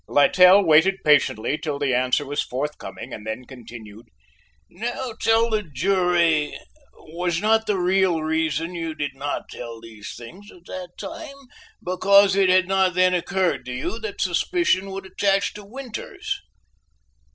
Littell waited patiently till the answer was forthcoming, and then continued: "Now tell the jury was not the real reason you did not tell these things at that time because it had not then occurred to you that suspicion would attach to Winters?"